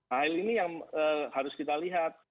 hal ini yang harus kita lihat